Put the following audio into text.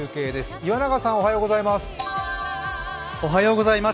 岩永さん、おはようございます。